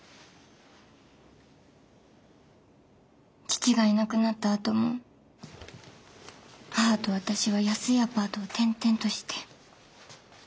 父がいなくなったあとも母と私は安いアパートを転々として。